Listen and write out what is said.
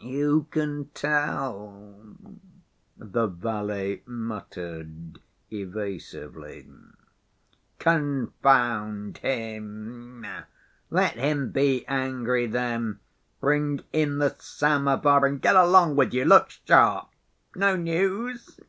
Who can tell?" the valet muttered evasively. "Confound him! Let him be angry then. Bring in the samovar, and get along with you. Look sharp! No news?"